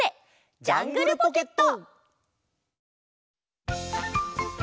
「ジャングルポケット」！